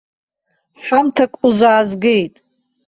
Ҳамҭак узаазгеит.